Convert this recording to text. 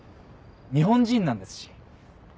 日本人なんですし。